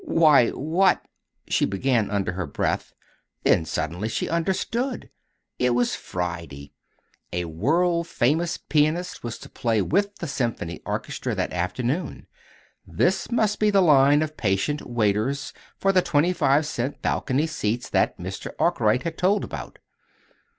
"Why, what " she began under her breath; then suddenly she understood. It was Friday. A world famous pianist was to play with the Symphony Orchestra that afternoon. This must be the line of patient waiters for the twenty five cent balcony seats that Mr. Arkwright had told about.